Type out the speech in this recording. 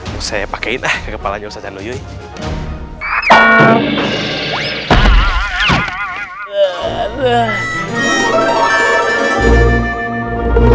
mau saya pakein ke kepalanya ustazah dulu yuk